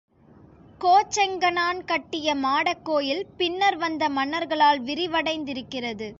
கோச்செங்கணான் கட்டிய மாடக்கோயில் பின்னர் வந்த மன்னர்களால் விரிவடைந்திருக்கிறது.